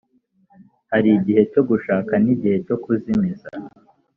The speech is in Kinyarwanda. Harigihe cyo gushska nigihe cyo kuzimiza